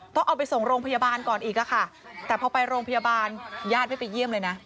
ต้องเอาไปส่งโรงพยาบาลก่อนอีกอะค่ะแต่พอไปโรงพยาบาลญาติไม่ไปเยี่ยมเลยนะ